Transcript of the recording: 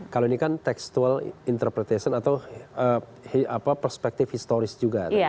kalau ini kan textual interpretation atau perspektif historis juga